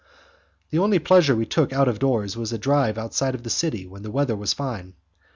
The only pleasure we took out of doors was a drive outside of the city when the weather was fine.